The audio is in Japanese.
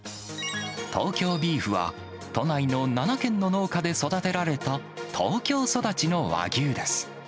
東京ビーフは、都内の７軒の農家で育てられた、東京育ちの和牛です。